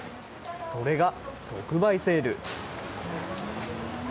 それが特売セール。